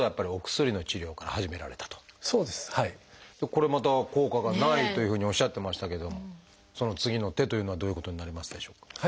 これまた効果がないというふうにおっしゃってましたけどその次の手というのはどういうことになりますでしょうか？